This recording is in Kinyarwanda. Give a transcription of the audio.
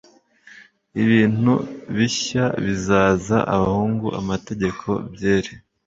ibintu bishya bizaza abahungu, amategeko, byeri